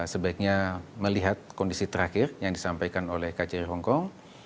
sebaiknya melihat kondisi terakhir yang disampaikan oleh kjri hongkong